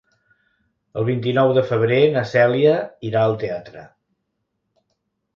El vint-i-nou de febrer na Cèlia irà al teatre.